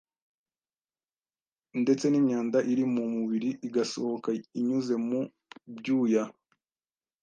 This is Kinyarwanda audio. ndetse n’imyanda iri mu mubiri igasohoka inyuze mu byuya.